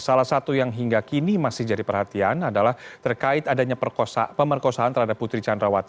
salah satu yang hingga kini masih jadi perhatian adalah terkait adanya pemerkosaan terhadap putri candrawati